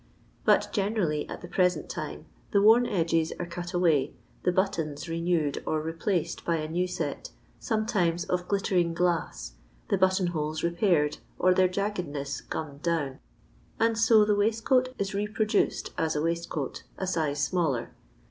But generally, at the present time, the worn edges are cut away, the buttons renewed* or replaced by a new set, sometimes of glittering glass, the button holes repaired or their jaggedness gummed down, and so the waistcoat is reproduced as a waistcoat, a sice smaller.